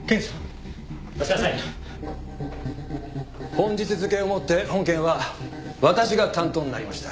本日付をもって本件は私が担当になりました。